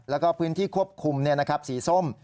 แล้วก็พื้นที่ควบคุมสีส้ม